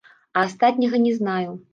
А астатняга не знаю.